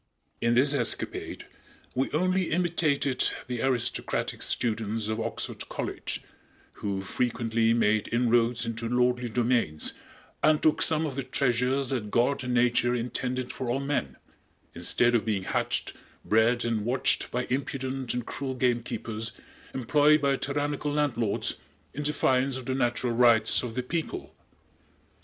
In this escapade we only imitated the aristocratic students of Oxford College, who frequently made inroads into lordly domains and took some of the treasures that God and Nature intended for all men, instead of being hatched, bred and watched by impudent and cruel gamekeepers, employed by tyrannical landlords, in defiance of the natural rights of the people.